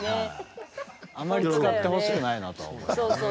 あまり使ってほしくないなとは思います。